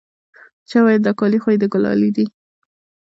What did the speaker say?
چا وويل دا کالي خو يې د ګلالي دي.